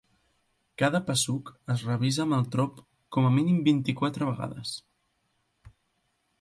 Cada pasuk es revisa amb el tropp com a mínim vint-i-quatre vegades.